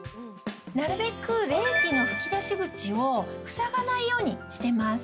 なるべく冷気の吹き出し口を塞がないようにしてます。